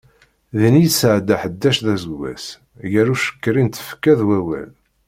Din i yesɛedda ḥdac d aseggas, gar ucqerri n tfekka d wawal.